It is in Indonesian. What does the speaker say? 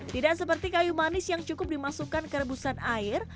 tidak seperti kayu manis yang cukup dimasukkan ke rebusan air